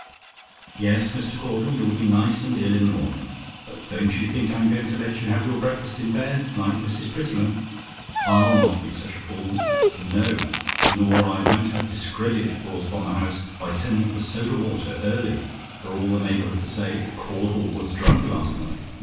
"Yes, Mr. Caudle, you'll be nice and ill in the morning! But don't you think I'm going to let you have your breakfast in bed, like Mrs. Prettyman. I'll not be such a fool. No; nor I won't have discredit brought upon the house by sending for soda water early, for all the neighbourhood to say, 'Caudle was drunk last night.'